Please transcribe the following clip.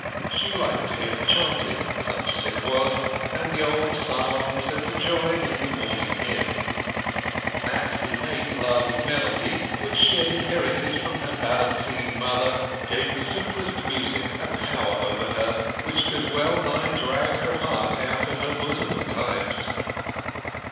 She liked to hear the chanting—such as it was—and the old Psalms, and to join in the Morning Hymn. That innate love of melody, which she had inherited from her ballad singing mother, gave the simplest music a power over her which could well nigh drag her heart out of her bosom at times.